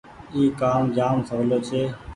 اي ڪآم جآم سولو ڇي۔